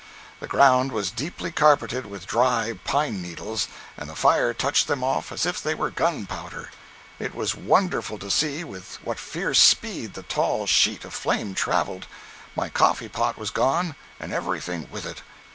The ground was deeply carpeted with dry pine needles, and the fire touched them off as if they were gunpowder. It was wonderful to see with what fierce speed the tall sheet of flame traveled! My coffee pot was gone, and everything with it.